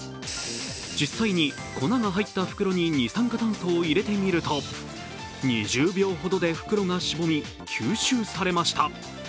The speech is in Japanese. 実際に粉が入った袋に二酸化炭素を入れてみると、２０秒ほどで袋がしぼみ、吸収されました。